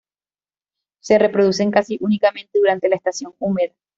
Se reproducen casi únicamente durante la estación húmeda.